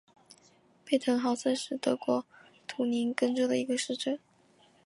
贝滕豪森是德国图林根州的一个市镇。